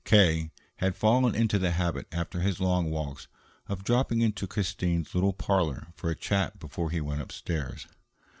K. had fallen into the habit, after his long walks, of dropping into Christine's little parlor for a chat before he went upstairs.